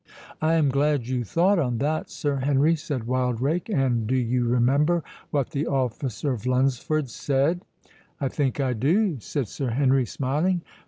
"I am glad you thought on that, Sir Henry," said Wildrake; "and do you remember what the officer of Lunsford's said?" "I think I do," said Sir Henry, smiling.